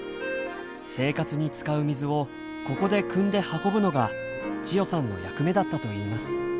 生活に使う水をここでくんで運ぶのが千代さんの役目だったといいます。